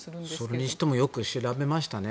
それにしてもよく調べましたね。